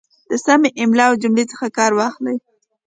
د سمې املا او جملې څخه کار واخلئ